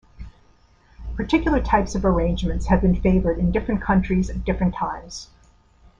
Particular types of arrangements have been favored in different countries at different times.